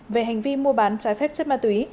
về hành vi mua bán trái phép chất ma túy